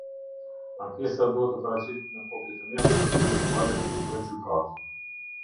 Ankesa duhet të paraqitet në kopje të mjaftueshme për palët dhe gjykatë.